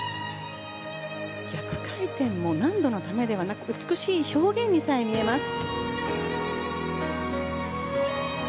逆回転も難度のためではなく美しい表現にさえ見えます。